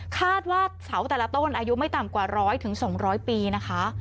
คาดว่าเสาแต่ละต้นอายุไม่ต่ำกว่า๑๐๐๒๐๐ปีนะคะ